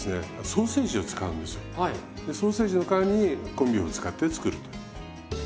ソーセージの代わりにコンビーフを使って作ると。